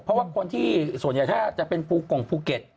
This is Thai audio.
เพราะว่าคนที่ส่วนใหญ่ถ้าจะเป็นภูกงภูเก็ต